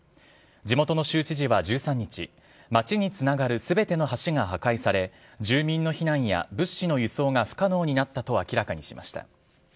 地元の州知事は１３日、街につながるすべての橋が破壊され、住民の避難や物資の輸送が不可能になったと明らかにしました。